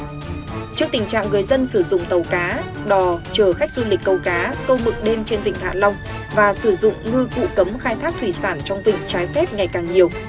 trước tình trạng người dân sử dụng tàu cá đò chở khách du lịch cầu cá câu mực đêm trên vịnh hạ long và sử dụng ngư cụ cấm khai thác thủy sản trong vịnh trái phép ngày càng nhiều